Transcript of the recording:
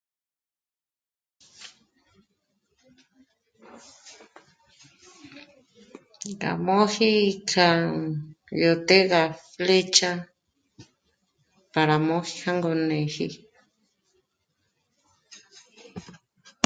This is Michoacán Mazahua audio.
K'a móji kjá yó těga récha pára m'ò'o hângo né'eji